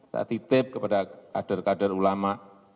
saya titip kepada kader kader ulama